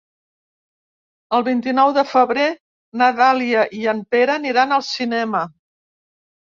El vint-i-nou de febrer na Dàlia i en Pere aniran al cinema.